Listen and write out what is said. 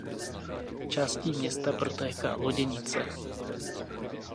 Částí města protéká Loděnice.